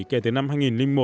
kể từ năm hai nghìn một